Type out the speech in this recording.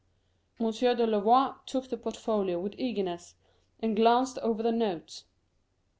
M. de Louvois took the portfolio with eagerness, and glanced over the notes.